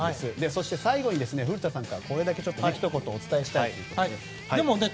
そして、最後に古田さんからこれだけひと言お伝えしたいと。